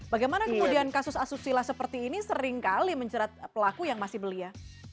bagaimana kemudian kasus asusila seperti ini seringkali menjerat pelaku yang masih belia